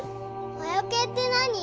魔除けって何？